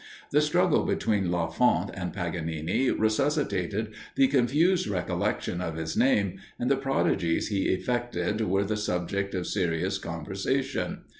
The struggle between Lafont and Paganini resuscitated the confused recollection of his name, and the prodigies he effected were the subject of serious conversation.